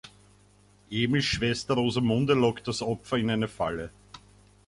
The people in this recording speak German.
Emils Schwester Rosamunde lockt das Opfer in eine Falle.